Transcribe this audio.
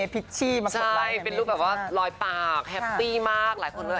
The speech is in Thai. คุณเนพิกชี่มากกว่าใช่เป็นรูปแบบว่าลอยปากแฮปปี้มากหลายคนเลย